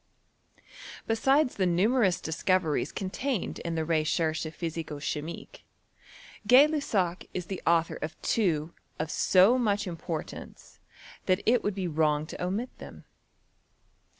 Besides the numerous discoveries contained in the Recherches Physico chimique, Gay Lussac ' is the author of two of so much importance that it would be wrong to omit them.